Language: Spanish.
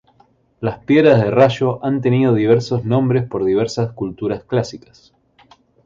Las piedras de rayo han tenido diversos nombres por diversas culturas clásicas.